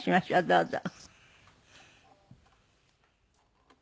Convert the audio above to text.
どうぞ。